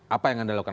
apa yang anda lakukan